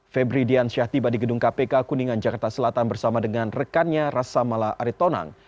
febri diansyah tiba di gedung kpk kuningan jakarta selatan bersama dengan rekannya rasa mala aritonang